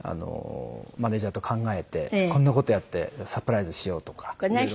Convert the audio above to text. マネジャーと考えてこんな事やってサプライズしようとか。